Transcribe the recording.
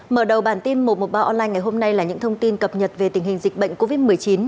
mở đầu bản tin một trăm một mươi ba online ngày hôm nay là những thông tin cập nhật về tình hình dịch bệnh covid một mươi chín